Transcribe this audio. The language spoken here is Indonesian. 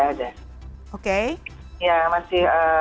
kalau bisa ya tidak ada